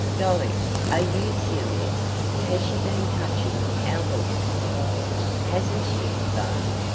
"Dolly, are you serious? Has she been touching our books?" "Hasn't she, though!